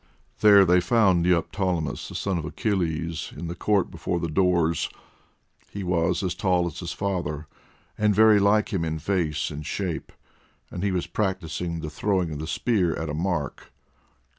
There they found Neoptolemus, the son of Achilles, in the court before the doors. He was as tall as his father, and very like him in face and shape, and he was practising the throwing of the spear at a mark.